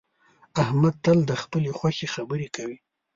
احمد تل د خپلې خوښې خبرې کوي